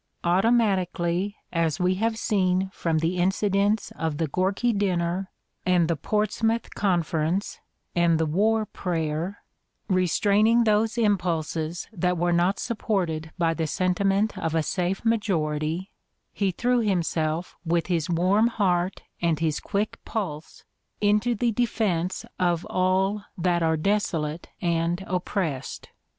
Automatically, as we have seen from the incidents of the Gorky dinner and the Ports 256 The Ordeal of Mark Twain mouth Conference and the "War Prayer," restraining those impulses that were not supported by the sentiment of a safe majority, he threw himself, with his warm heart and his quick pulse, into the defense of all that are desolate and oppressed.